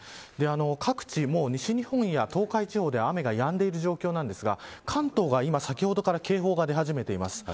各地も西日本や東海地方では雨がやんでいる状況なんですが関東は、先ほどから警報が出始めています。